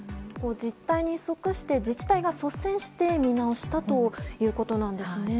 実態に即して自治体が率先して見直したということなんですね。